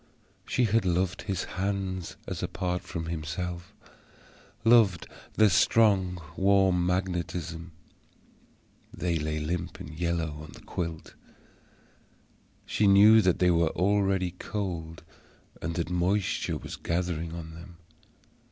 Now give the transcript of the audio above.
She had loved his hands as apart from himself; loved their strong warm magnetism. They lay limp and yellow on the quilt: she knew that they were already cold, and that moisture was gathering on them.